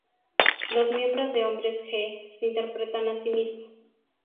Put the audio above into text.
Los miembros de Hombres G se interpretan a sí mismos.